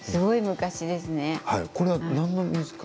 これは、何ですか。